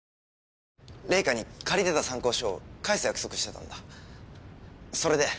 玲香に借りてた参考書を返す約束してたんだそれで。